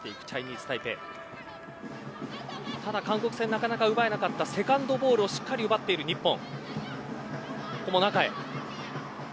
なかなか奪えなかったセカンドボールをしっかりと奪っている日本。